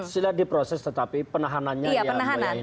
tidak diproses tetapi penahanannya iya penahanan